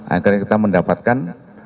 agar kita mendapatkan